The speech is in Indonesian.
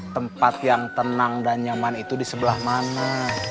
tempat yang tenang dan nyaman itu di sebelah mana